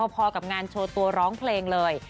พอกับงานโชว์ตัวร้องเพลงเลย